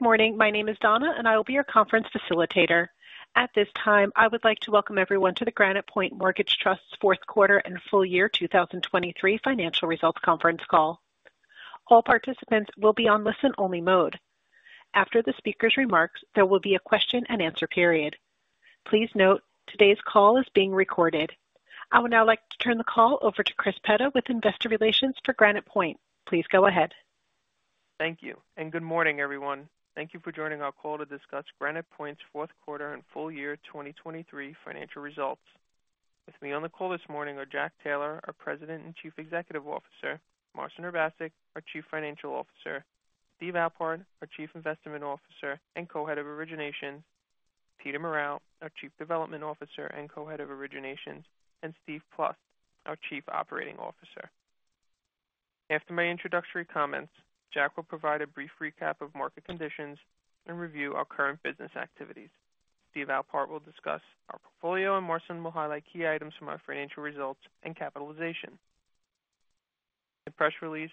Good morning. My name is Donna, and I will be your conference facilitator. At this time, I would like to welcome everyone to the Granite Point Mortgage Trust's fourth quarter and full year 2023 financial results conference call. All participants will be on listen-only mode. After the speaker's remarks, there will be a question-and-answer period. Please note today's call is being recorded. I would now like to turn the call over to Chris Petta with Investor Relations for Granite Point. Please go ahead. Thank you, and good morning, everyone. Thank you for joining our call to discuss Granite Point's fourth quarter and full year 2023 financial results. With me on the call this morning are Jack Taylor, our President and Chief Executive Officer; Marcin Urbaszek, our Chief Financial Officer; Steve Alpart, our Chief Investment Officer and Co-Head of Originations; Peter Morral, our Chief Development Officer and Co-Head of Originations; and Steve Plust, our Chief Operating Officer. After my introductory comments, Jack will provide a brief recap of market conditions and review our current business activities. Steve Alpart will discuss our portfolio, and Marcin will highlight key items from our financial results and capitalization. The press release,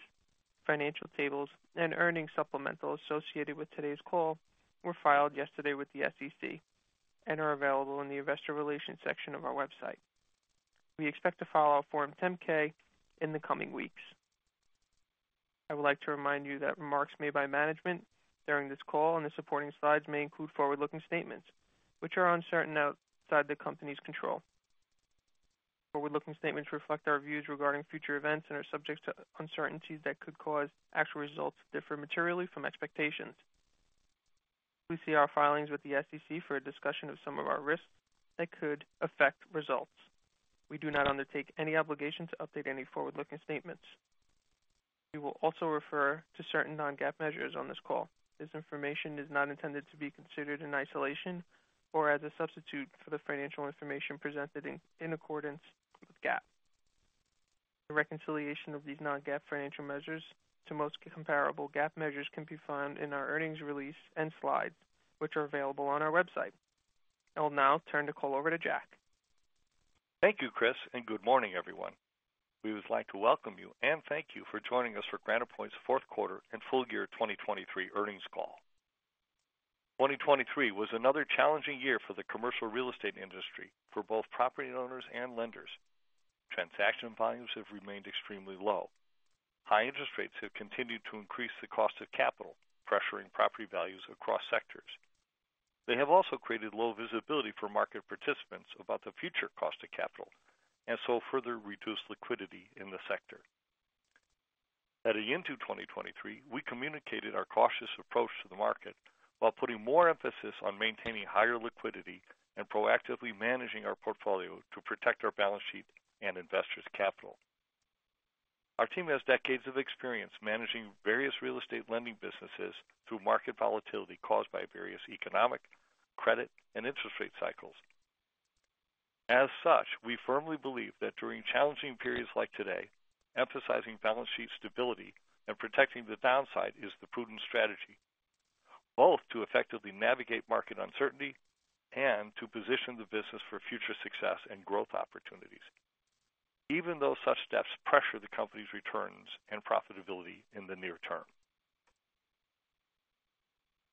financial tables, and earnings supplemental associated with today's call were filed yesterday with the SEC and are available in the Investor Relations section of our website. We expect to file our Form 10-K in the coming weeks. I would like to remind you that remarks made by management during this call and the supporting slides may include forward-looking statements which are uncertain outside the company's control. Forward-looking statements reflect our views regarding future events and are subject to uncertainties that could cause actual results to differ materially from expectations. Please see our filings with the SEC for a discussion of some of our risks that could affect results. We do not undertake any obligation to update any forward-looking statements. We will also refer to certain non-GAAP measures on this call. This information is not intended to be considered in isolation or as a substitute for the financial information presented in accordance with GAAP. The reconciliation of these non-GAAP financial measures to most comparable GAAP measures can be found in our earnings release and slides, which are available on our website. I will now turn the call over to Jack. Thank you, Chris, and good morning, everyone. We would like to welcome you and thank you for joining us for Granite Point's fourth quarter and full year 2023 earnings call. 2023 was another challenging year for the commercial real estate industry for both property owners and lenders. Transaction volumes have remained extremely low. High interest rates have continued to increase the cost of capital, pressuring property values across sectors. They have also created low visibility for market participants about the future cost of capital and so further reduced liquidity in the sector. At the end of 2023, we communicated our cautious approach to the market while putting more emphasis on maintaining higher liquidity and proactively managing our portfolio to protect our balance sheet and investors' capital. Our team has decades of experience managing various real estate lending businesses through market volatility caused by various economic, credit, and interest rate cycles. As such, we firmly believe that during challenging periods like today, emphasizing balance sheet stability and protecting the downside is the prudent strategy, both to effectively navigate market uncertainty and to position the business for future success and growth opportunities, even though such steps pressure the company's returns and profitability in the near term.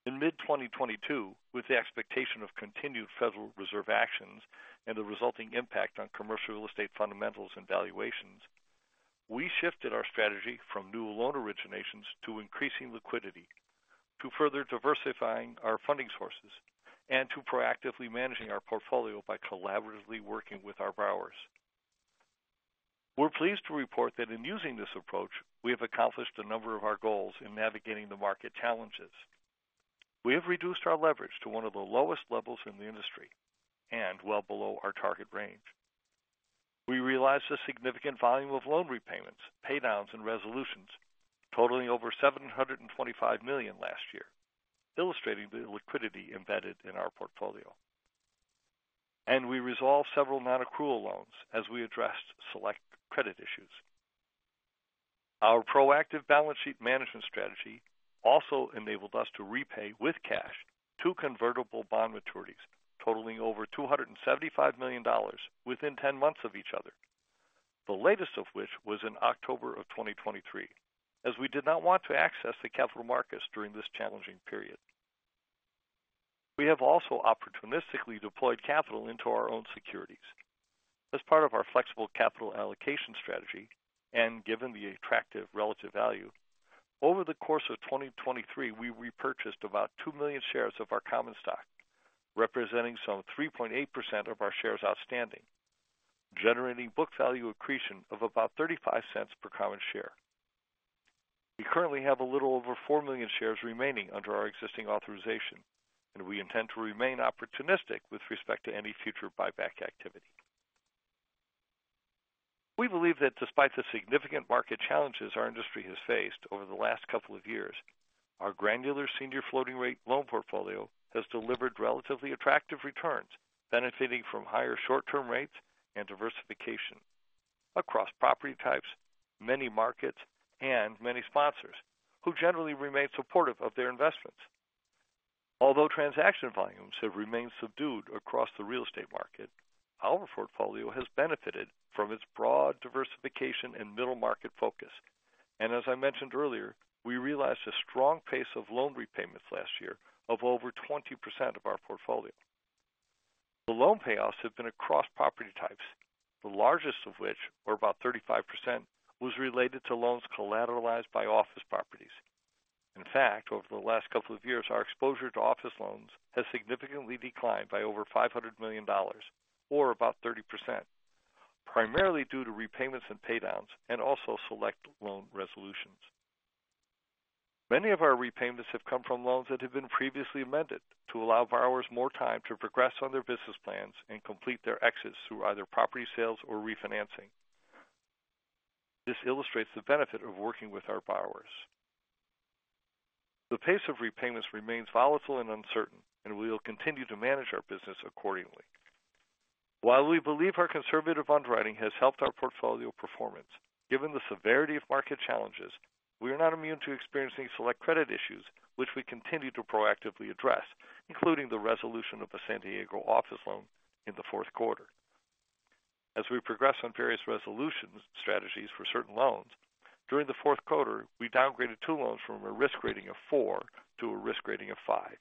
In mid-2022, with the expectation of continued Federal Reserve actions and the resulting impact on commercial real estate fundamentals and valuations, we shifted our strategy from new loan originations to increasing liquidity, to further diversifying our funding sources, and to proactively managing our portfolio by collaboratively working with our borrowers. We're pleased to report that in using this approach, we have accomplished a number of our goals in navigating the market challenges. We have reduced our leverage to one of the lowest levels in the industry and well below our target range. We realized a significant volume of loan repayments, paydowns, and resolutions totaling over $725 million last year, illustrating the liquidity embedded in our portfolio. We resolved several non-accrual loans as we addressed select credit issues. Our proactive balance sheet management strategy also enabled us to repay with cash two convertible bond maturities totaling over $275 million within 10 months of each other, the latest of which was in October 2023, as we did not want to access the capital markets during this challenging period. We have also opportunistically deployed capital into our own securities. As part of our flexible capital allocation strategy and given the attractive relative value, over the course of 2023, we repurchased about 2 million shares of our common stock, representing some 3.8% of our shares outstanding, generating book value accretion of about $0.35 per common share. We currently have a little over 4 million shares remaining under our existing authorization, and we intend to remain opportunistic with respect to any future buyback activity. We believe that despite the significant market challenges our industry has faced over the last couple of years, our granular senior floating rate loan portfolio has delivered relatively attractive returns, benefiting from higher short-term rates and diversification across property types, many markets, and many sponsors who generally remain supportive of their investments.... Although transaction volumes have remained subdued across the real estate market, our portfolio has benefited from its broad diversification and middle market focus. As I mentioned earlier, we realized a strong pace of loan repayments last year of over 20% of our portfolio. The loan payoffs have been across property types, the largest of which, or about 35%, was related to loans collateralized by office properties. In fact, over the last couple of years, our exposure to office loans has significantly declined by over $500 million, or about 30%, primarily due to repayments and paydowns and also select loan resolutions. Many of our repayments have come from loans that have been previously amended to allow borrowers more time to progress on their business plans and complete their exits through either property sales or refinancing. This illustrates the benefit of working with our borrowers. The pace of repayments remains volatile and uncertain, and we will continue to manage our business accordingly. While we believe our conservative underwriting has helped our portfolio performance, given the severity of market challenges, we are not immune to experiencing select credit issues, which we continue to proactively address, including the resolution of a San Diego office loan in the fourth quarter. As we progress on various resolution strategies for certain loans, during the fourth quarter, we downgraded two loans from a risk rating of four to a risk rating of five.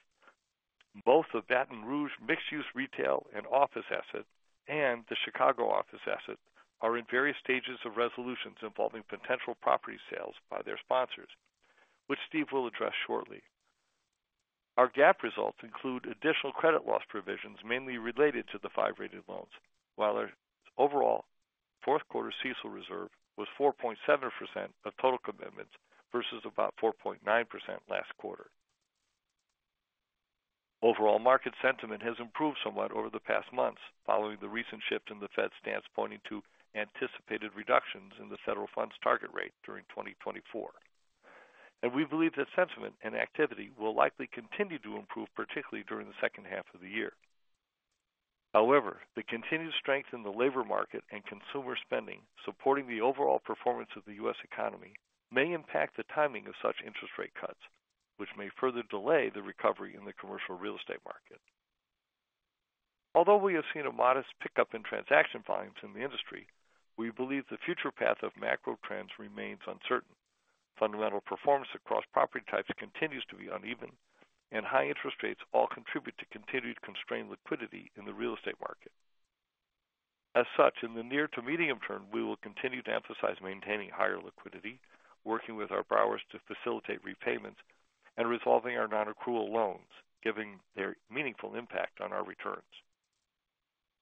Both the Baton Rouge mixed-use retail and office asset and the Chicago office asset are in various stages of resolutions involving potential property sales by their sponsors, which Steve will address shortly. Our GAAP results include additional credit loss provisions, mainly related to the five-rated loans, while our overall fourth quarter CECL reserve was 4.7% of total commitments versus about 4.9% last quarter. Overall, market sentiment has improved somewhat over the past months following the recent shift in the Fed's stance, pointing to anticipated reductions in the federal funds target rate during 2024. We believe that sentiment and activity will likely continue to improve, particularly during the second half of the year. However, the continued strength in the labor market and consumer spending supporting the overall performance of the U.S. economy may impact the timing of such interest rate cuts, which may further delay the recovery in the commercial real estate market. Although we have seen a modest pickup in transaction volumes in the industry, we believe the future path of macro trends remains uncertain. Fundamental performance across property types continues to be uneven, and high interest rates all contribute to continued constrained liquidity in the real estate market. As such, in the near to medium term, we will continue to emphasize maintaining higher liquidity, working with our borrowers to facilitate repayments, and resolving our non-accrual loans, giving their meaningful impact on our returns.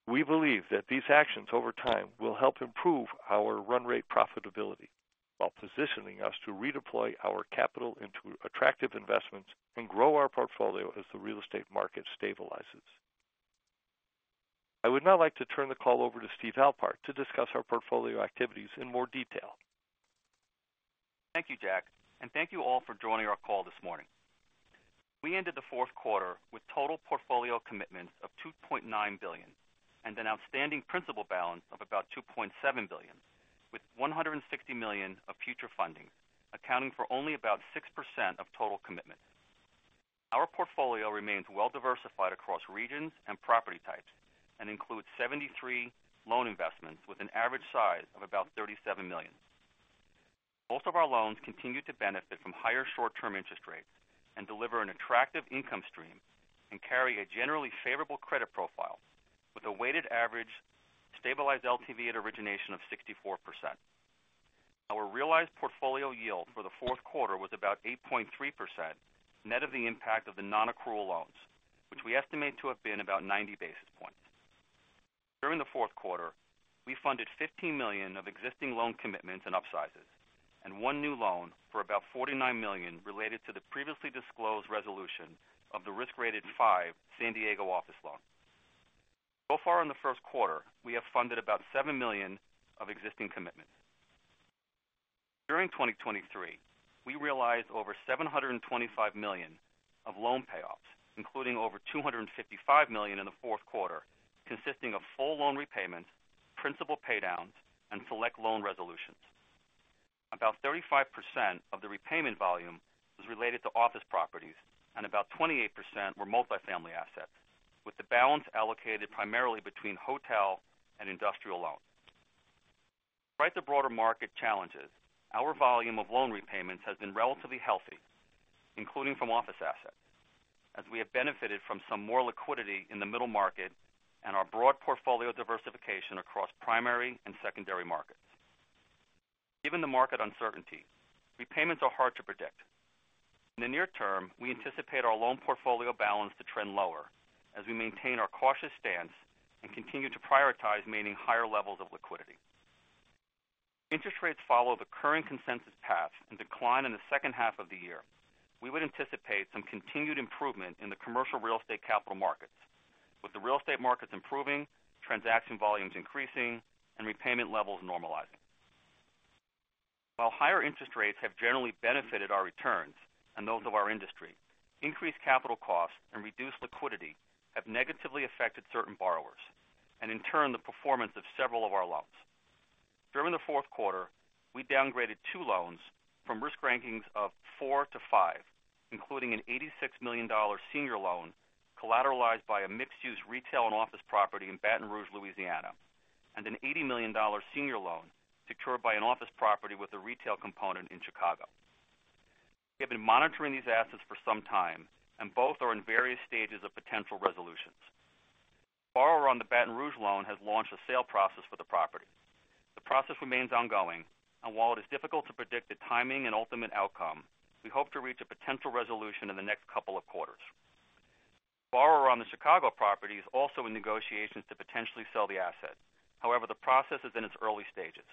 We believe that these actions over time will help improve our run rate profitability while positioning us to redeploy our capital into attractive investments and grow our portfolio as the real estate market stabilizes. I would now like to turn the call over to Steven Alpart to discuss our portfolio activities in more detail. Thank you, Jack, and thank you all for joining our call this morning. We ended the fourth quarter with total portfolio commitments of $2.9 billion and an outstanding principal balance of about $2.7 billion, with $160 million of future funding, accounting for only about 6% of total commitments. Our portfolio remains well-diversified across regions and property types and includes 73 loan investments with an average size of about $37 million. Most of our loans continue to benefit from higher short-term interest rates and deliver an attractive income stream and carry a generally favorable credit profile with a weighted average stabilized LTV at origination of 64%. Our realized portfolio yield for the fourth quarter was about 8.3%, net of the impact of the nonaccrual loans, which we estimate to have been about 90 basis points. During the fourth quarter, we funded $15 million of existing loan commitments and upsizes, and one new loan for about $49 million related to the previously disclosed resolution of the risk rating 5 San Diego office loan. So far in the first quarter, we have funded about $7 million of existing commitments. During 2023, we realized over $725 million of loan payoffs, including over $255 million in the fourth quarter, consisting of full loan repayments, principal paydowns, and select loan resolutions. About 35% of the repayment volume was related to office properties, and about 28% were multifamily assets, with the balance allocated primarily between hotel and industrial loans. Despite the broader market challenges, our volume of loan repayments has been relatively healthy, including from office assets, as we have benefited from some more liquidity in the middle market and our broad portfolio diversification across primary and secondary markets. Given the market uncertainty, repayments are hard to predict. In the near term, we anticipate our loan portfolio balance to trend lower as we maintain our cautious stance and continue to prioritize maintaining higher levels of liquidity. Interest rates follow the current consensus path and decline in the second half of the year. We would anticipate some continued improvement in the commercial real estate capital markets, with the real estate markets improving, transaction volumes increasing, and repayment levels normalizing. While higher interest rates have generally benefited our returns and those of our industry, increased capital costs and reduced liquidity have negatively affected certain borrowers, and in turn, the performance of several of our loans. During the fourth quarter, we downgraded 2 loans from risk rankings of 4 to 5, including an $86 million senior loan, collateralized by a mixed-use retail and office property in Baton Rouge, Louisiana, and an $80 million senior loan secured by an office property with a retail component in Chicago. We have been monitoring these assets for some time, and both are in various stages of potential resolutions. The borrower on the Baton Rouge loan has launched a sale process for the property. The process remains ongoing, and while it is difficult to predict the timing and ultimate outcome, we hope to reach a potential resolution in the next couple of quarters. Borrower on the Chicago property is also in negotiations to potentially sell the asset. However, the process is in its early stages.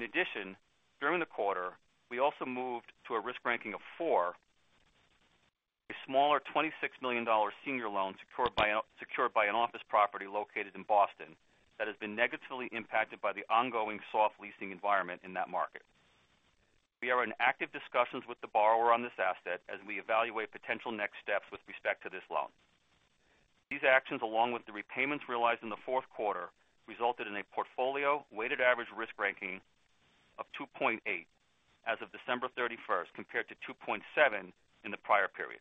In addition, during the quarter, we also moved to a risk rating of 4, a smaller $26 million senior loan, secured by an office property located in Boston, that has been negatively impacted by the ongoing soft leasing environment in that market. We are in active discussions with the borrower on this asset as we evaluate potential next steps with respect to this loan. These actions, along with the repayments realized in the fourth quarter, resulted in a portfolio weighted-average risk rating of 2.8 as of December 31, compared to 2.7 in the prior period.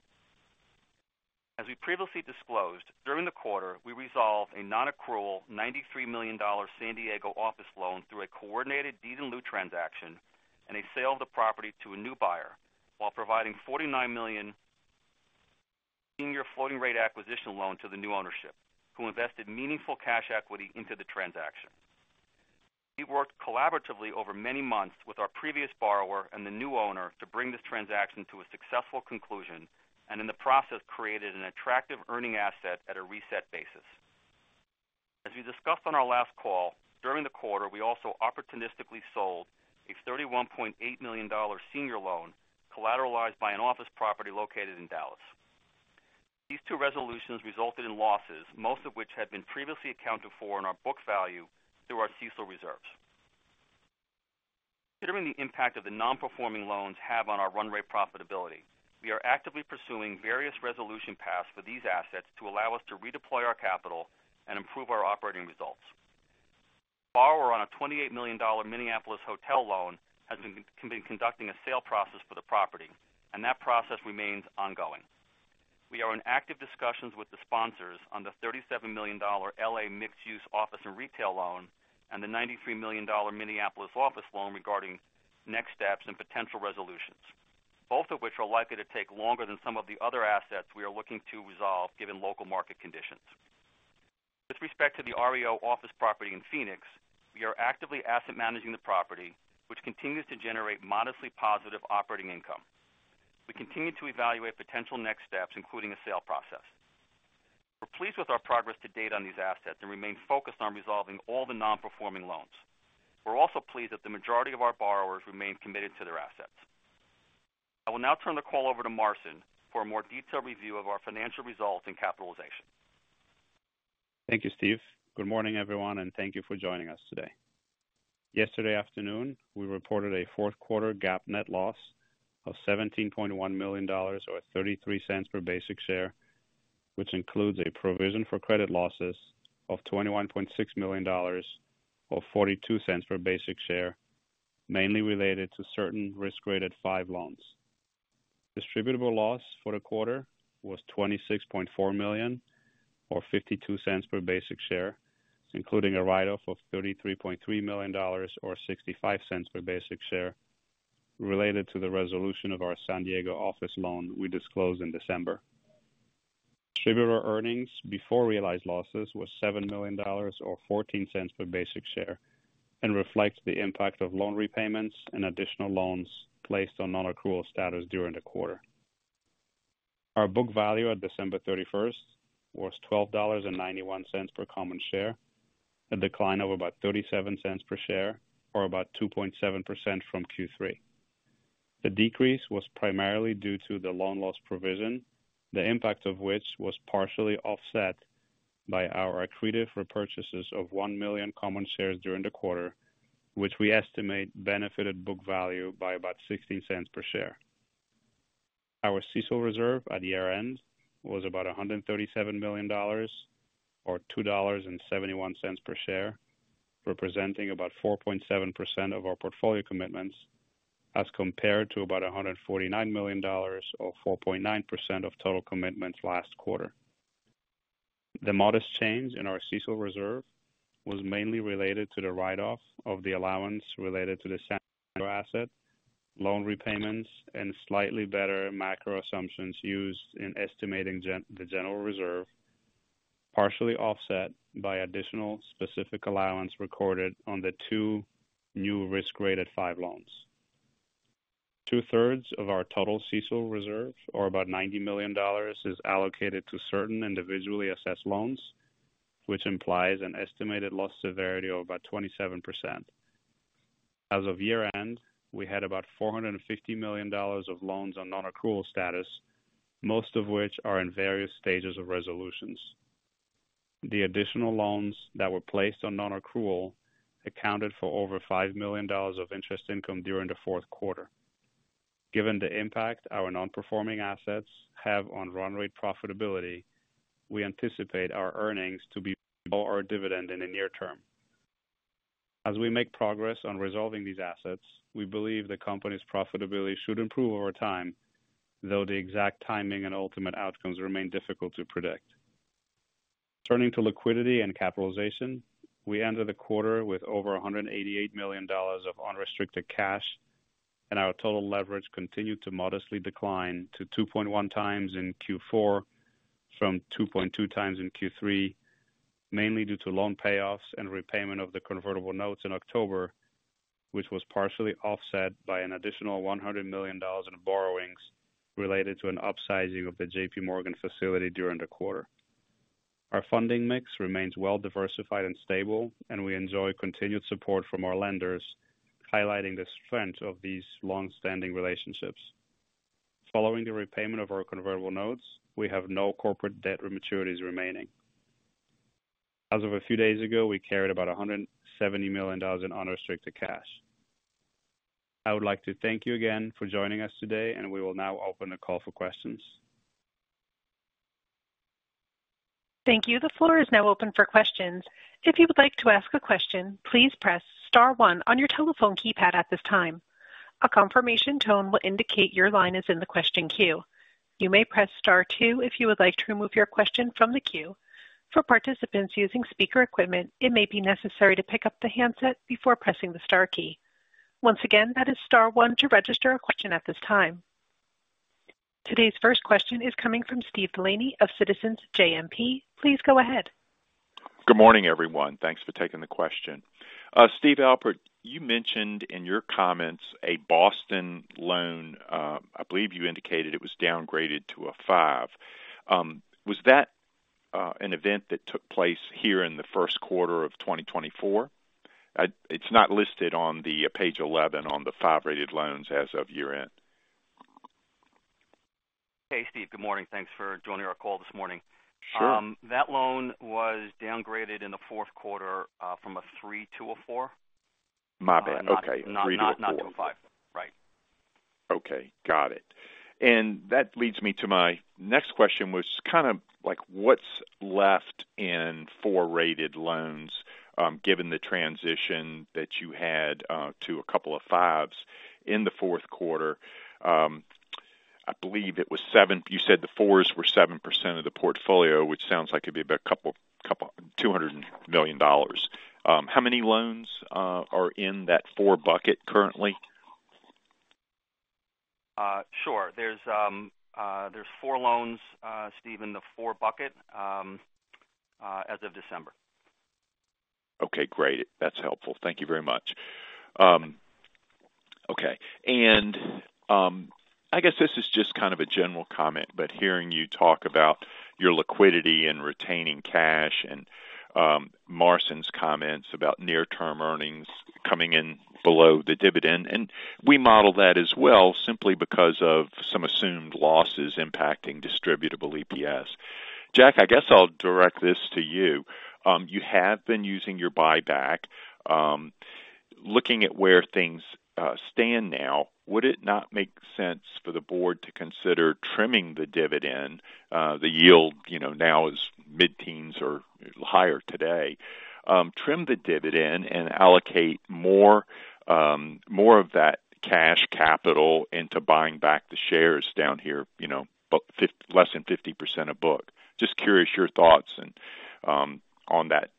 As we previously disclosed, during the quarter, we resolved a non-accrual $93 million San Diego office loan through a coordinated deed in lieu transaction and a sale of the property to a new buyer, while providing $49 million senior floating rate acquisition loan to the new ownership, who invested meaningful cash equity into the transaction. We worked collaboratively over many months with our previous borrower and the new owner to bring this transaction to a successful conclusion, and in the process, created an attractive earning asset at a reset basis. As we discussed on our last call, during the quarter, we also opportunistically sold a $31.8 million senior loan, collateralized by an office property located in Dallas. These two resolutions resulted in losses, most of which had been previously accounted for in our book value through our CECL reserves. Considering the impact of the non-performing loans have on our run rate profitability, we are actively pursuing various resolution paths for these assets to allow us to redeploy our capital and improve our operating results. Borrower on a $28 million Minneapolis hotel loan has been conducting a sale process for the property, and that process remains ongoing. We are in active discussions with the sponsors on the $37 million L.A. mixed-use office and retail loan and the $93 million Minneapolis office loan regarding next steps and potential resolutions, both of which are likely to take longer than some of the other assets we are looking to resolve, given local market conditions. With respect to the REO office property in Phoenix, we are actively asset managing the property, which continues to generate modestly positive operating income. We continue to evaluate potential next steps, including a sale process. We're pleased with our progress to date on these assets and remain focused on resolving all the non-performing loans. We're also pleased that the majority of our borrowers remain committed to their assets. I will now turn the call over to Marcin for a more detailed review of our financial results and capitalization. Thank you, Steven. Good morning, everyone, and thank you for joining us today. Yesterday afternoon, we reported a fourth quarter GAAP net loss of $17.1 million or $0.33 per basic share, which includes a provision for credit losses of $21.6 million or $0.42 per basic share, mainly related to certain risk-graded five loans. Distributable loss for the quarter was $26.4 million or $0.52 per basic share, including a write-off of $33.3 million or $0.65 per basic share, related to the resolution of our San Diego office loan we disclosed in December. Distributable earnings before realized losses was $7 million, or $0.14 per basic share, and reflects the impact of loan repayments and additional loans placed on non-accrual status during the quarter. Our book value at December 31 was $12.91 per common share, a decline of about $0.37 per share or about 2.7% from Q3. The decrease was primarily due to the loan loss provision, the impact of which was partially offset by our accretive repurchases of 1 million common shares during the quarter, which we estimate benefited book value by about $0.16 per share. Our CECL reserve at year-end was about $137 million or $2.71 per share, representing about 4.7% of our portfolio commitments, as compared to about $149 million, or 4.9% of total commitments last quarter. The modest change in our CECL reserve was mainly related to the write-off of the allowance related to the asset, loan repayments, and slightly better macro assumptions used in estimating the general reserve, partially offset by additional specific allowance recorded on the two new risk-graded five loans. Two-thirds of our total CECL reserve, or about $90 million, is allocated to certain individually assessed loans, which implies an estimated loss severity of about 27%. As of year-end, we had about $450 million of loans on non-accrual status, most of which are in various stages of resolutions. The additional loans that were placed on non-accrual accounted for over $5 million of interest income during the fourth quarter. ... Given the impact our non-performing assets have on run rate profitability, we anticipate our earnings to be below our dividend in the near term. As we make progress on resolving these assets, we believe the company's profitability should improve over time, though the exact timing and ultimate outcomes remain difficult to predict. Turning to liquidity and capitalization, we ended the quarter with over $188 million of unrestricted cash, and our total leverage continued to modestly decline to 2.1 times in Q4 from 2.2 times in Q3, mainly due to loan payoffs and repayment of the convertible notes in October, which was partially offset by an additional $100 million in borrowings related to an upsizing of the J.P. Morgan facility during the quarter. Our funding mix remains well diversified and stable, and we enjoy continued support from our lenders, highlighting the strength of these long-standing relationships. Following the repayment of our convertible notes, we have no corporate debt or maturities remaining. As of a few days ago, we carried about $170 million in unrestricted cash. I would like to thank you again for joining us today, and we will now open the call for questions. Thank you. The floor is now open for questions. If you would like to ask a question, please press star one on your telephone keypad at this time. A confirmation tone will indicate your line is in the question queue. You may press star two if you would like to remove your question from the queue. For participants using speaker equipment, it may be necessary to pick up the handset before pressing the star key. Once again, that is star one to register a question at this time. Today's first question is coming from Steven DeLaney of Citizens JMP. Please go ahead. Good morning, everyone. Thanks for taking the question. Steven Alpart, you mentioned in your comments a Boston loan. I believe you indicated it was downgraded to a five. Was that an event that took place here in the first quarter of 2024? It's not listed on page 11 on the five-rated loans as of year-end. Hey, Steven, good morning. Thanks for joining our call this morning. Sure. That loan was downgraded in the fourth quarter, from a three to a four. My bad. Okay. Not, not, not to a five. Right. Okay, got it. And that leads me to my next question, was kind of like, what's left in 4-rated loans, given the transition that you had to a couple of 5s in the fourth quarter? I believe it was 7%. You said the 4s were 7% of the portfolio, which sounds like it'd be about a couple hundred million dollars. How many loans are in that 4 bucket currently? Sure. There's four loans, Steve, in the four bucket, as of December. Okay, great. That's helpful. Thank you very much. Okay. And, I guess this is just kind of a general comment, but hearing you talk about your liquidity and retaining cash and, Marcin's comments about near-term earnings coming in below the dividend, and we model that as well, simply because of some assumed losses impacting distributable EPS. Jack, I guess I'll direct this to you. You have been using your buyback. Looking at where things stand now, would it not make sense for the board to consider trimming the dividend? The yield, you know, now is mid-teens or higher today. Trim the dividend and allocate more, more of that cash capital into buying back the shares down here, you know, but less than 50% of book. Just curious your thoughts and, on that,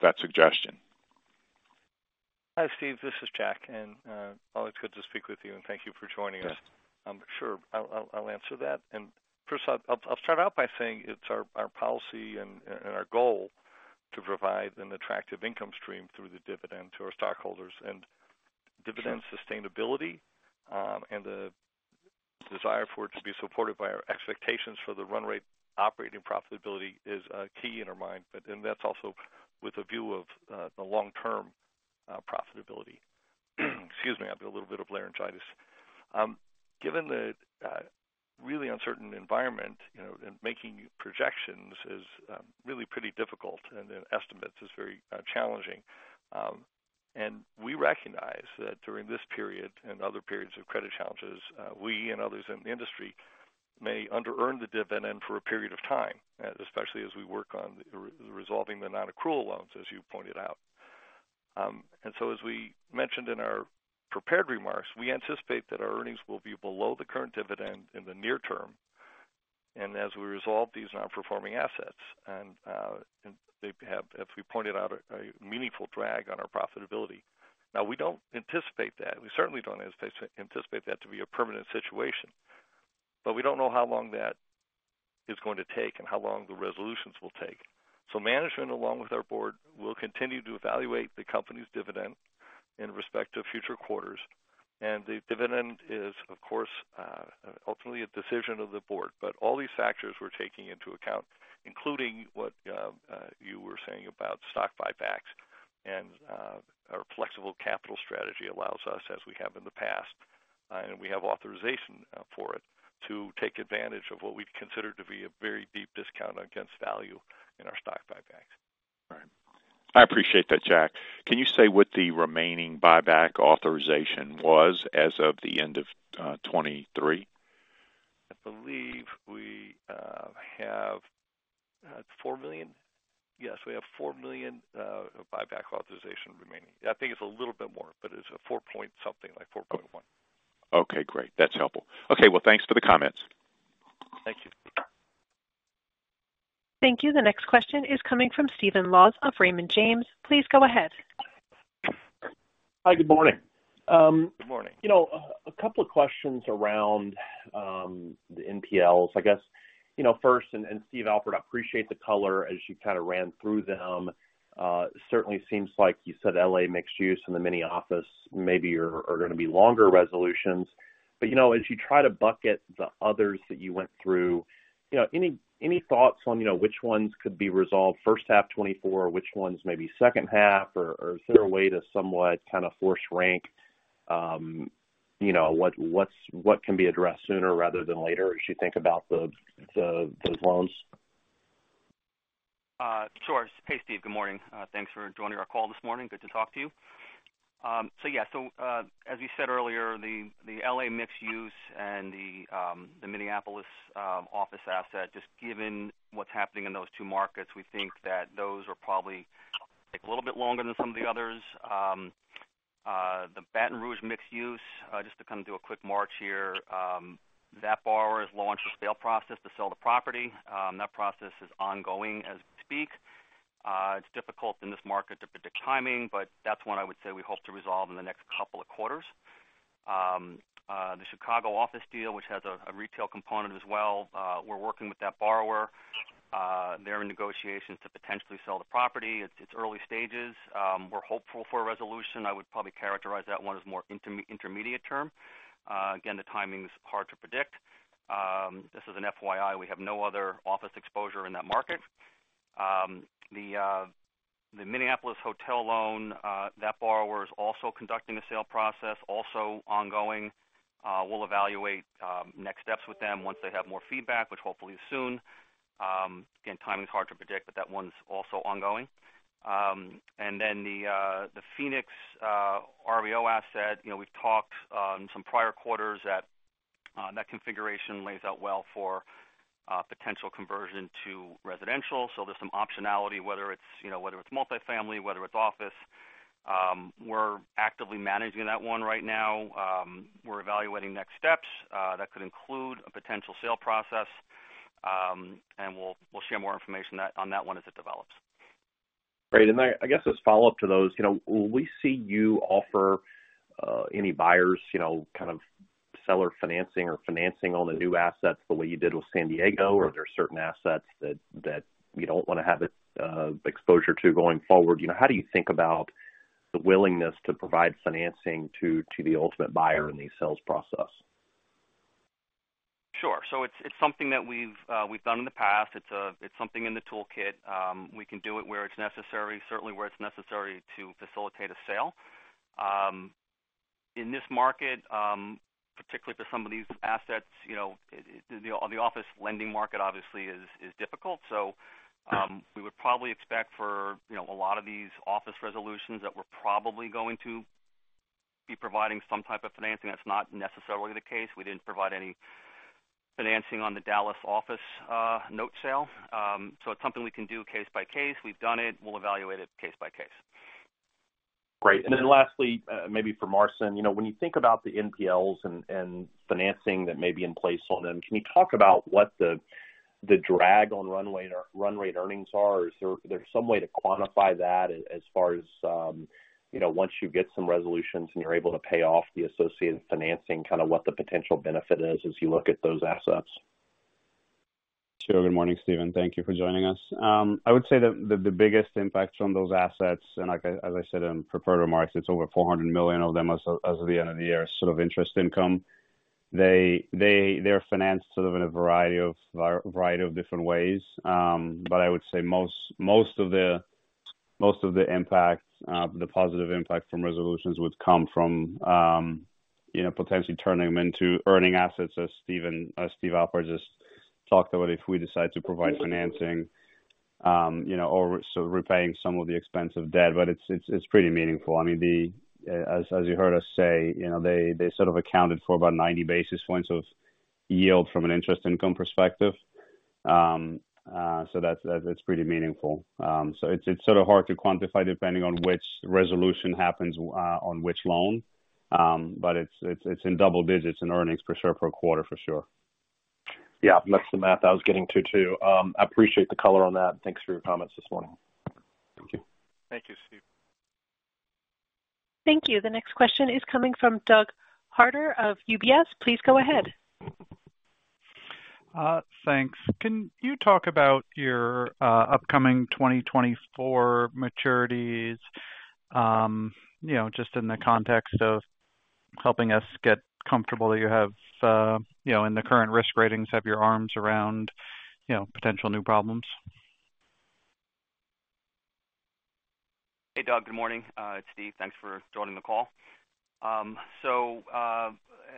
that suggestion. Hi, Steven, this is Jack, and always good to speak with you, and thank you for joining us. Yeah. I'm sure I'll answer that. And first, I'll start out by saying it's our policy and our goal to provide an attractive income stream through the dividend to our stockholders. Sure. Dividend sustainability, and the desire for it to be supported by our expectations for the run-rate operating profitability is key in our mind. But that's also with a view of the long-term profitability. Excuse me, I've got a little bit of laryngitis. Given the really uncertain environment, you know, and making projections is really pretty difficult and then estimates is very challenging. We recognize that during this period and other periods of credit challenges, we and others in the industry may under-earn the dividend for a period of time, especially as we work on resolving the non-accrual loans, as you pointed out. And so as we mentioned in our prepared remarks, we anticipate that our earnings will be below the current dividend in the near term and as we resolve these nonperforming assets, and they have, as we pointed out, a meaningful drag on our profitability. Now, we don't anticipate that. We certainly don't anticipate that to be a permanent situation, but we don't know how long that is going to take and how long the resolutions will take. So management, along with our board, will continue to evaluate the company's dividend in respect to future quarters. The dividend is, of course, ultimately a decision of the board. But all these factors we're taking into account, including what you were saying about stock buybacks and our flexible capital strategy allows us, as we have in the past, and we have authorization for it, to take advantage of what we'd consider to be a very deep discount against value in our stock buybacks. Right. I appreciate that, Jack. Can you say what the remaining buyback authorization was as of the end of 2023? I believe we have $4 million. Yes, we have $4 million buyback authorization remaining. I think it's a little bit more, but it's a $4.something, like $4.1. Okay, great. That's helpful. Okay, well, thanks for the comments. Thank you. Thank you. The next question is coming from Stephen Laws of Raymond James. Please go ahead. Hi. Good morning. Good morning. You know, a couple of questions around the NPLs, I guess. You know, first, and Stephen Alpart, I appreciate the color as you kind of ran through them. Certainly seems like you said LA mixed use and the Minneapolis office maybe are going to be longer resolutions. But, you know, as you try to bucket the others that you went through, you know, any thoughts on, you know, which ones could be resolved first half 2024, or which ones may be second half? Or is there a way to somewhat kind of force rank, you know, what can be addressed sooner rather than later as you think about the those loans? Sure. Hey, Stephen, good morning. Thanks for joining our call this morning. Good to talk to you. So yeah. So, as you said earlier, the L.A. mixed use and the Minneapolis office asset, just given what's happening in those two markets, we think that those will probably take a little bit longer than some of the others. The Baton Rouge mixed use, just to kind of do a quick march here, that borrower has launched a sale process to sell the property. That process is ongoing as we speak. It's difficult in this market to predict timing, but that's one I would say we hope to resolve in the next couple of quarters. The Chicago office deal, which has a retail component as well, we're working with that borrower. They're in negotiations to potentially sell the property. It's early stages. We're hopeful for a resolution. I would probably characterize that one as more intermediate term. Again, the timing's hard to predict. This is an FYI, we have no other office exposure in that market. The Minneapolis hotel loan, that borrower is also conducting a sale process, also ongoing. We'll evaluate next steps with them once they have more feedback, which hopefully is soon. Again, timing is hard to predict, but that one's also ongoing. And then the Phoenix REO asset, you know, we've talked some prior quarters that that configuration lays out well for potential conversion to residential. So there's some optionality, whether it's, you know, whether it's multifamily, whether it's office. We're actively managing that one right now. We're evaluating next steps that could include a potential sale process. And we'll share more information on that one as it develops. Great. And I guess as a follow-up to those, you know, will we see you offer any buyers, you know, kind of seller financing or financing on the new assets the way you did with San Diego? Or are there certain assets that you don't want to have exposure to going forward? You know, how do you think about the willingness to provide financing to the ultimate buyer in the sales process? Sure. So it's something that we've done in the past. It's something in the toolkit. We can do it where it's necessary, certainly where it's necessary to facilitate a sale. In this market, particularly for some of these assets, you know, the office lending market obviously is difficult. So, we would probably expect for, you know, a lot of these office resolutions that we're probably going to be providing some type of financing. That's not necessarily the case. We didn't provide any financing on the Dallas office note sale. So it's something we can do case by case. We've done it. We'll evaluate it case by case. Great. And then lastly, maybe for Marcin, you know, when you think about the NPLs and financing that may be in place on them, can you talk about what the drag on runway or run rate earnings are? Is there some way to quantify that as far as, you know, once you get some resolutions and you're able to pay off the associated financing, kind of what the potential benefit is as you look at those assets? Sure. Good morning, Steven. Thank you for joining us. I would say that the biggest impacts on those assets, and like as I said in prepared remarks, it's over $400 million of them as of the end of the year, sort of interest income. They're financed sort of in a variety of different ways. But I would say most of the impact, the positive impact from resolutions would come from, you know, potentially turning them into earning assets, as Steven, Steve Alpart just talked about, if we decide to provide financing, you know, or sort of repaying some of the expensive debt. But it's pretty meaningful. I mean, the... As you heard us say, you know, they sort of accounted for about 90 basis points of yield from an interest income perspective. So that's pretty meaningful. So it's sort of hard to quantify, depending on which resolution happens on which loan. But it's in double digits in earnings for sure, per quarter for sure. Yeah, that's the math I was getting to, too. I appreciate the color on that. Thanks for your comments this morning. Thank you. Thank you, Stephen. Thank you. The next question is coming from Douglas Harter of UBS. Please go ahead. Thanks. Can you talk about your upcoming 2024 maturities? You know, just in the context of helping us get comfortable that you have, in the current risk ratings, have your arms around, you know, potential new problems. Hey, Douglas. Good morning. It's Steven. Thanks for joining the call. So,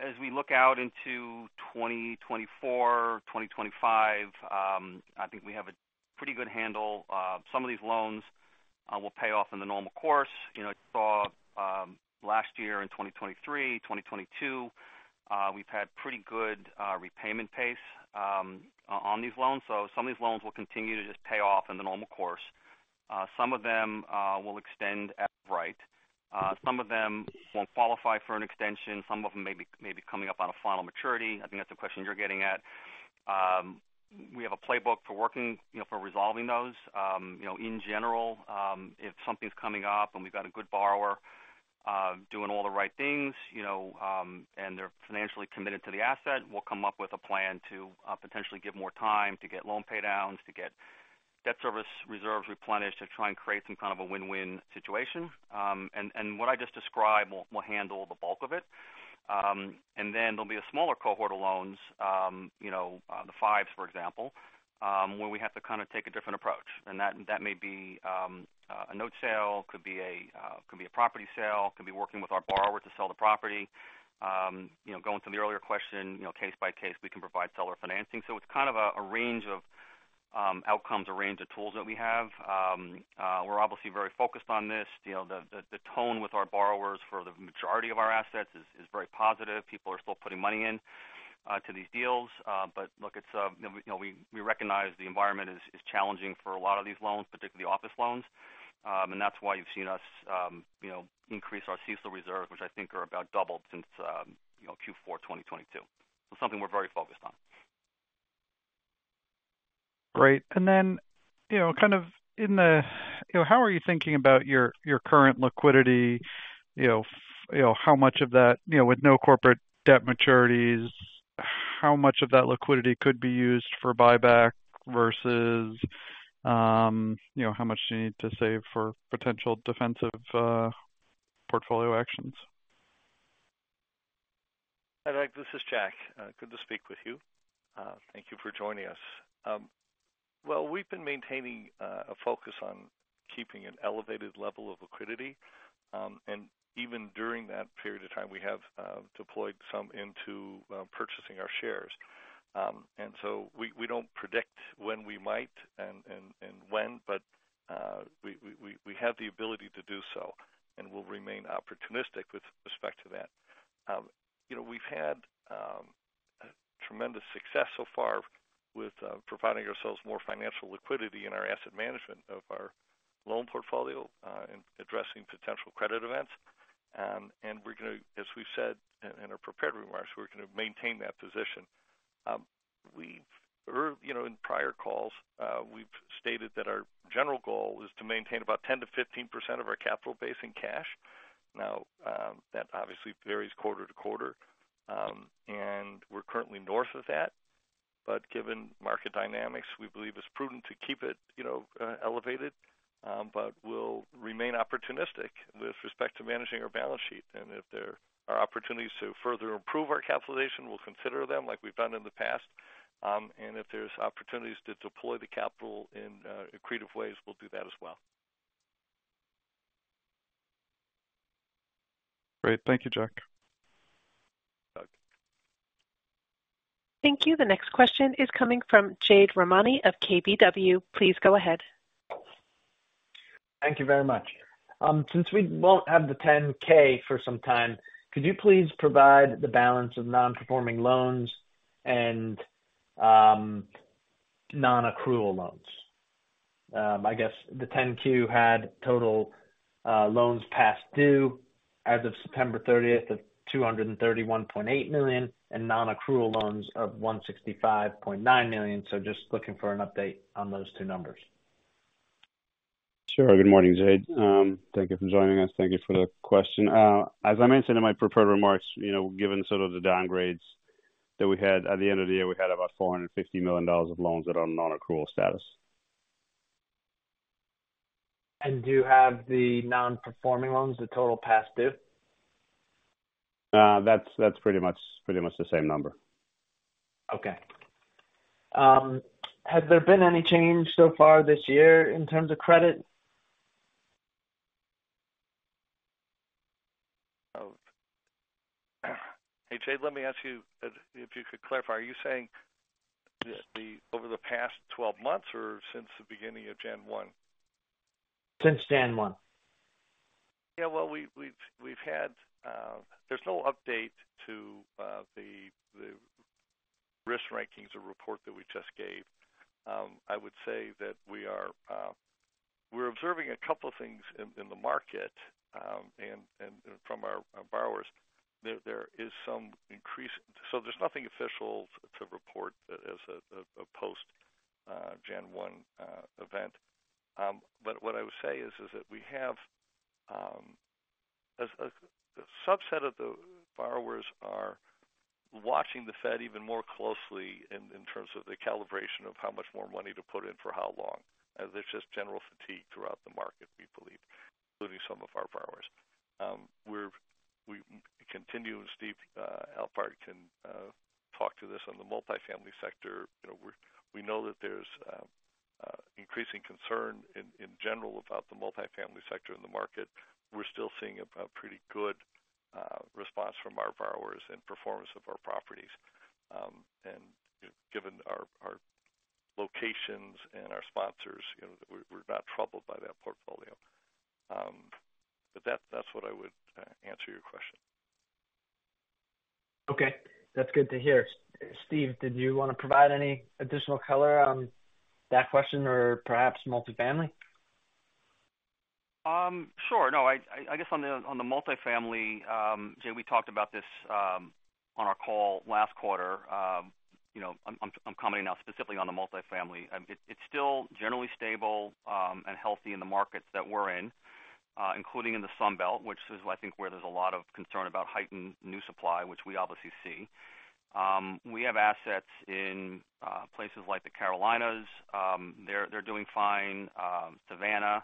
as we look out into 2024, 2025, I think we have a pretty good handle. Some of these loans will pay off in the normal course. You know, I saw, last year in 2023, 2022, we've had pretty good repayment pace on these loans. So some of these loans will continue to just pay off in the normal course. Some of them will extend at right. Some of them won't qualify for an extension. Some of them may be coming up on a final maturity. I think that's the question you're getting at. We have a playbook for working, you know, for resolving those. You know, in general, if something's coming up and we've got a good borrower, doing all the right things, you know, and they're financially committed to the asset, we'll come up with a plan to potentially give more time to get loan pay downs, to get debt service reserves replenished, to try and create some kind of a win-win situation. And what I just described will handle the bulk of it. And then there'll be a smaller cohort of loans, you know, the fives, for example, where we have to kind of take a different approach. And that may be a note sale, could be a property sale, could be working with our borrower to sell the property. You know, going to the earlier question, you know, case by case, we can provide seller financing. So it's kind of a, a range of outcomes, a range of tools that we have. We're obviously very focused on this. You know, the tone with our borrowers for the majority of our assets is very positive. People are still putting money in to these deals. But look, it's you know, we recognize the environment is challenging for a lot of these loans, particularly office loans. And that's why you've seen us, you know, increase our CECL reserve, which I think are about doubled since you know, Q4 2022. So something we're very focused on. Great. And then, you know, kind of in the... You know, how are you thinking about your current liquidity? You know, you know, how much of that, you know, with no corporate debt maturities, how much of that liquidity could be used for buyback versus, you know, how much do you need to save for potential defensive portfolio actions? Hi, Douglas, this is Jack. Good to speak with you. Thank you for joining us. Well, we've been maintaining a focus on keeping an elevated level of liquidity. Even during that period of time, we have deployed some into purchasing our shares. So we don't predict when we might and when, but we have the ability to do so, and we'll remain opportunistic with respect to that. You know, we've had tremendous success so far with providing ourselves more financial liquidity in our asset management of our loan portfolio and addressing potential credit events. We're gonna, as we've said in our prepared remarks, we're gonna maintain that position. We've, you know, in prior calls, we've stated that our general goal is to maintain about 10%-15% of our capital base in cash. Now, that obviously varies quarter to quarter, and we're currently north of that. But given market dynamics, we believe it's prudent to keep it, you know, elevated. But we'll remain opportunistic with respect to managing our balance sheet. And if there are opportunities to further improve our capitalization, we'll consider them like we've done in the past. And if there's opportunities to deploy the capital in, creative ways, we'll do that as well. Great. Thank you, Jack. Doug. Thank you. The next question is coming from Jade Rahmani of KBW. Please go ahead. Thank you very much. Since we won't have the 10-K for some time, could you please provide the balance of non-performing loans and, nonaccrual loans? I guess the 10-Q had total, loans past due as of September 30th of $231.8 million, and nonaccrual loans of $165.9 million. Just looking for an update on those two numbers. Sure. Good morning, Jade. Thank you for joining us. Thank you for the question. As I mentioned in my prepared remarks, you know, given sort of the downgrades that we had at the end of the year, we had about $450 million of loans that are on non-accrual status. Do you have the non-performing loans, the total past due? That's pretty much the same number. Okay. Has there been any change so far this year in terms of credit? Oh, hey, Jade, let me ask you, if you could clarify. Are you saying the, over the past 12 months or since the beginning of Gen One? Since Gen One. Yeah, well, we've had. There's no update to the risk ratings report that we just gave. I would say that we are observing a couple of things in the market and from our borrowers. There is some increase. So there's nothing official to report as a post Gen One event. But what I would say is that we have a subset of the borrowers are watching the Fed even more closely in terms of the calibration of how much more money to put in for how long. There's just general fatigue throughout the market, we believe, including some of our borrowers. We continue, and Steve Alpart can talk to this on the multifamily sector. You know, we know that there's... increasing concern in general about the multifamily sector in the market. We're still seeing a pretty good response from our borrowers and performance of our properties. And, you know, given our locations and our sponsors, you know, we're not troubled by that portfolio. But that's what I would answer your question. Okay. That's good to hear. Steve, did you want to provide any additional color on that question or perhaps multifamily? Sure. No, I guess on the multifamily, Jade, we talked about this on our call last quarter. You know, I'm commenting now specifically on the multifamily. It's still generally stable and healthy in the markets that we're in, including in the Sun Belt, which is, I think, where there's a lot of concern about heightened new supply, which we obviously see. We have assets in places like the Carolinas. They're doing fine. Savannah,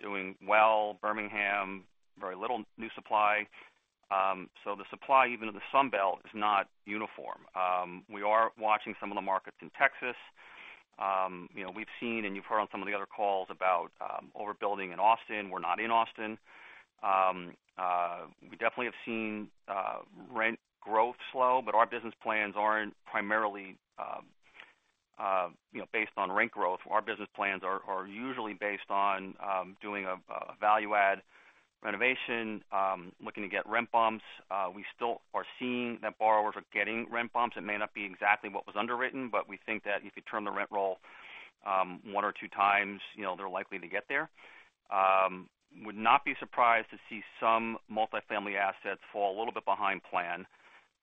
doing well. Birmingham, very little new supply. So the supply, even in the Sun Belt, is not uniform. We are watching some of the markets in Texas. You know, we've seen, and you've heard on some of the other calls about overbuilding in Austin. We're not in Austin. We definitely have seen rent growth slow, but our business plans aren't primarily, you know, based on rent growth. Our business plans are usually based on doing a value add renovation, looking to get rent bumps. We still are seeing that borrowers are getting rent bumps. It may not be exactly what was underwritten, but we think that if you turn the rent roll, one or two times, you know, they're likely to get there. Would not be surprised to see some multifamily assets fall a little bit behind plan.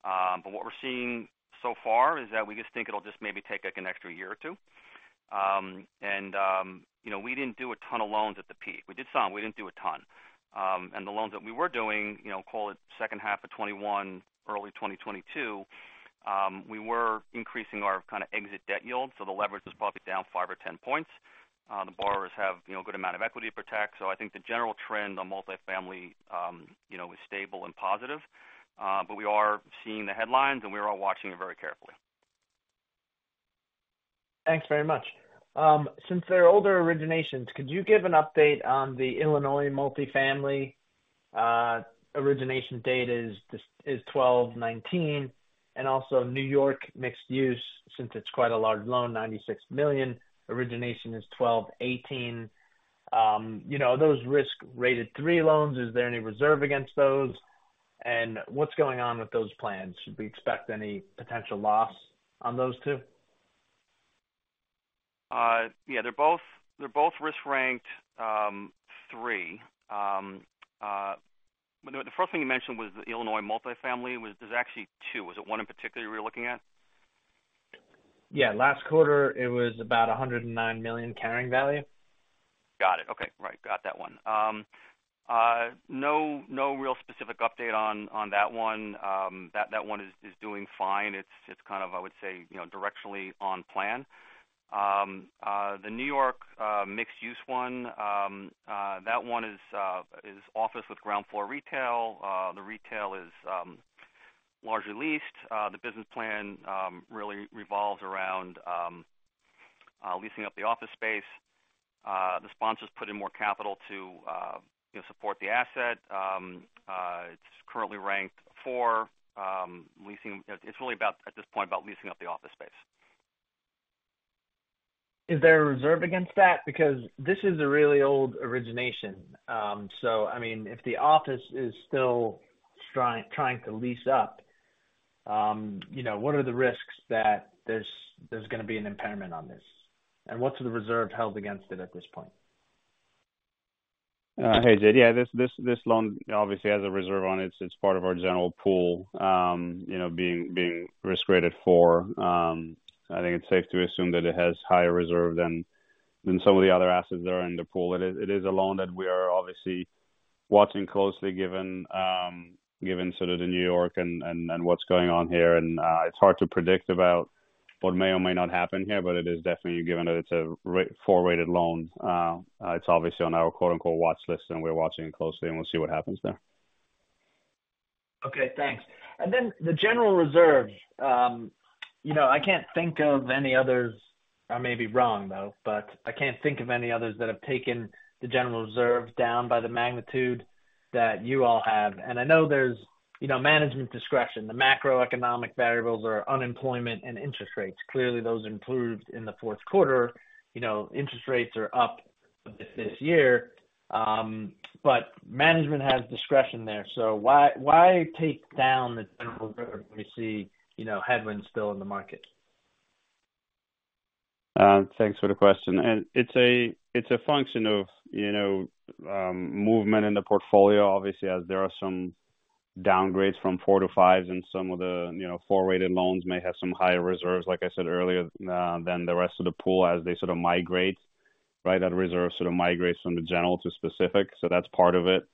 But what we're seeing so far is that we just think it'll just maybe take, like, an extra year or two. And, you know, we didn't do a ton of loans at the peak. We did some. We didn't do a ton. And the loans that we were doing, you know, call it second half of 2021, early 2022, we were increasing our kind of exit debt yield, so the leverage is probably down five or ten points. The borrowers have, you know, a good amount of equity to protect. So I think the general trend on multifamily, you know, is stable and positive, but we are seeing the headlines, and we are watching it very carefully. Thanks very much. Since they're older originations, could you give an update on the Illinois multifamily? Origination date is 12/2019, and also New York mixed use, since it's quite a large loan, $96 million. Origination is 12/2018. You know, those risk rated 3 loans, is there any reserve against those? And what's going on with those plans? Should we expect any potential loss on those two? Yeah, they're both, they're both risk ranked 3. The first thing you mentioned was the Illinois multifamily. Was—there's actually 2. Was it one in particular you were looking at? Yeah. Last quarter, it was about $109 million carrying value. Got it. Okay. Right. Got that one. No real specific update on that one. That one is doing fine. It's kind of, I would say, you know, directionally on plan. The New York mixed use one, that one is office with ground floor retail. The retail is largely leased. The business plan really revolves around leasing up the office space. The sponsors put in more capital to, you know, support the asset. It's currently ranked four. Leasing... It's really about, at this point, about leasing up the office space. Is there a reserve against that? Because this is a really old origination. So, I mean, if the office is still trying to lease up, you know, what are the risks that there's going to be an impairment on this? And what's the reserve held against it at this point? Hey, Jade. Yeah, this loan obviously has a reserve on it. It's part of our general pool, being risk rated four. I think it's safe to assume that it has higher reserve than some of the other assets that are in the pool. It is a loan that we are obviously watching closely given sort of the New York and what's going on here. It's hard to predict about what may or may not happen here, but it is definitely given that it's a four-rated loan. It's obviously on our quote-unquote watch list, and we're watching it closely, and we'll see what happens there. Okay, thanks. And then the general reserves. You know, I can't think of any others. I may be wrong, though, but I can't think of any others that have taken the general reserves down by the magnitude that you all have. And I know there's, you know, management discretion. The macroeconomic variables are unemployment and interest rates. Clearly, those improved in the fourth quarter. You know, interest rates are up this year, but management has discretion there. So why, why take down the general reserve when you see, you know, headwinds still in the market? Thanks for the question. It's a function of, you know, movement in the portfolio. Obviously, as there are some downgrades from four to fives and some of the, you know, four-rated loans may have some higher reserves, like I said earlier, than the rest of the pool as they sort of migrate, right? That reserve sort of migrates from the general to specific, so that's part of it.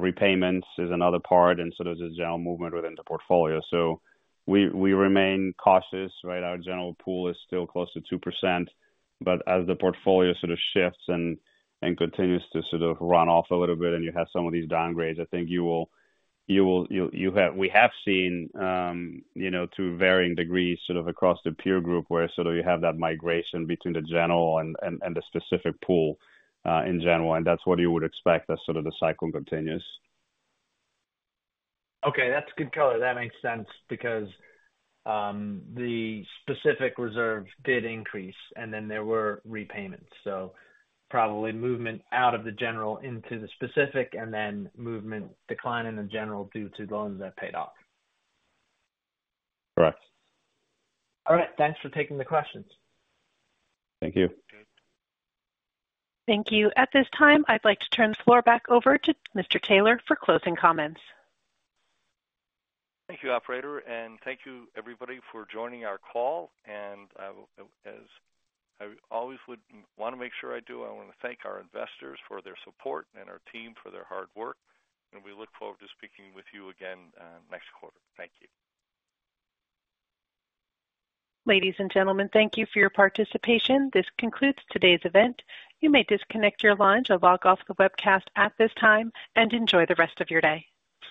Repayments is another part and sort of the general movement within the portfolio. So we remain cautious, right? Our general pool is still close to 2%, but as the portfolio sort of shifts and continues to sort of run off a little bit and you have some of these downgrades, I think you will have. We have seen, you know, to varying degrees, sort of across the peer group, where sort of you have that migration between the general and the specific pool, in general, and that's what you would expect as sort of the cycle continues. Okay, that's good color. That makes sense because, the specific reserves did increase, and then there were repayments. So probably movement out of the general into the specific, and then movement decline in the general due to loans that paid off. Correct. All right. Thanks for taking the questions. Thank you. Thank you. Thank you. At this time, I'd like to turn the floor back over to Mr. Taylor for closing comments. Thank you, operator, and thank you, everybody, for joining our call. As I always would want to make sure I do, I want to thank our investors for their support and our team for their hard work, and we look forward to speaking with you again, next quarter. Thank you. Ladies and gentlemen, thank you for your participation. This concludes today's event. You may disconnect your lines or log off the webcast at this time, and enjoy the rest of your day.